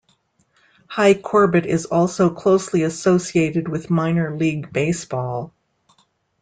Hi Corbett is also closely associated with minor league baseball.